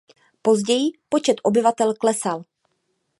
Později počet obyvatel klesal.